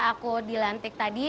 aku di lantik tadi